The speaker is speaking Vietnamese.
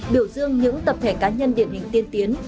biểu dương những tập thể cá nhân điển hình tiên tiến